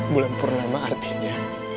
wulan purnama artinya